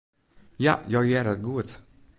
Ja, jo hearre it goed.